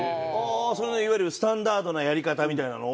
いわゆるスタンダードなやり方みたいなのを。